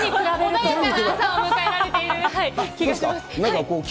穏やかな朝を迎えられている気がします。